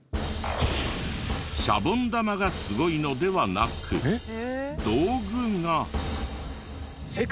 シャボン玉がすごいのではなく道具が。